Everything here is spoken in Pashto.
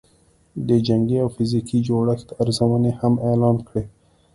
د جنګي او فزیکي جوړښت ارزونې هم اعلان کړې